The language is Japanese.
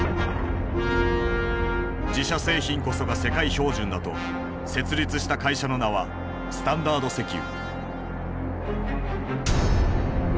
自社製品こそが世界標準だと設立した会社の名はスタンダード石油。